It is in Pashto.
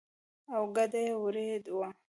او کډه يې وړې وه.